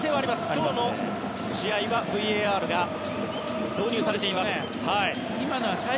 今日の試合はＶＡＲが導入されています。